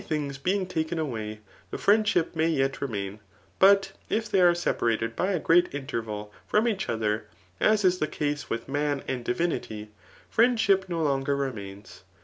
For many diings being taken away, the friendship may yet remain ; but if they are separated by a great interval from each other, as is the case with man and diyinity, friendship no tenger remains.